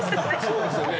そうですよね